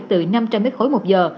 từ năm trăm linh m ba một giờ